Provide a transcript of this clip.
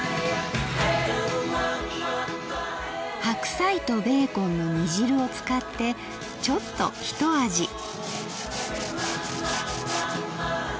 白菜とベーコンの煮汁を使ってちょっとひと味。